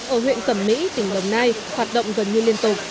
ở huyện cẩm mỹ tỉnh đồng nai hoạt động gần như liên tục